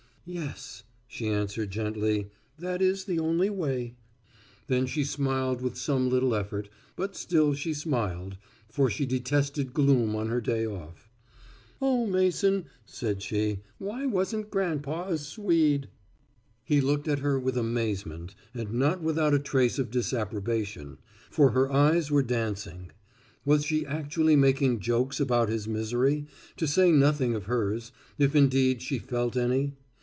"Yes," she answered gently, "that is the only way." And then she smiled with some little effort, but still she smiled, for she detested gloom on her day off. "Oh, Mason," said she, "why wasn't grandpa a Swede?" He looked at her with amazement and not without a trace of disapprobation, for her eyes were dancing. Was she actually making jokes about his misery to say nothing of hers if indeed she felt any?